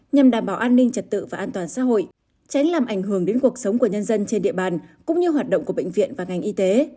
nhằm đảm bảo an ninh trật tự và an toàn xã hội tránh làm ảnh hưởng đến cuộc sống của nhân dân trên địa bàn cũng như hoạt động của bệnh viện và ngành y tế